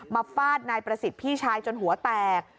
ฟาดนายประสิทธิ์พี่ชายจนหัวแตก